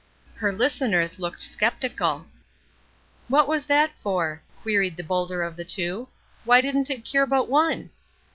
Her listeners looked skeptical. "What was that for?" queried the bolder of the two. "Why didn't it cure but one?"